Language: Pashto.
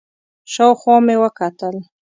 شاوخوا مې وکتل،